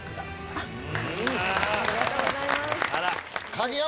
ありがとうございます。